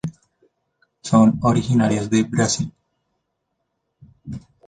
Son originarias de Brasil.